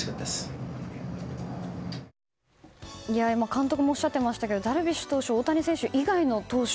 監督もおっしゃってましたがダルビッシュ投手や大谷選手以外の投手